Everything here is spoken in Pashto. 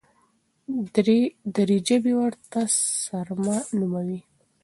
دري ژبي ورته سرمه نوموي.